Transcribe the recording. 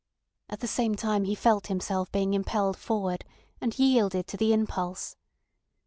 At the same time he felt himself being impelled forward, and yielded to the impulse.